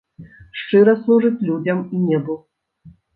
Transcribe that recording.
Шчыра служыць людзям і небу!